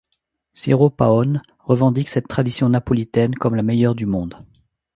Ciro Paone revendique cette tradition napolitaine comme la meilleure du monde.